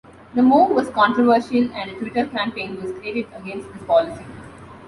The move was controversial and a Twitter campaign was created against this policy.